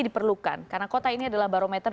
diperlukan karena kota ini adalah barometer